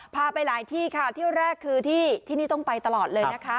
ไปหลายที่ค่ะที่แรกคือที่นี่ต้องไปตลอดเลยนะคะ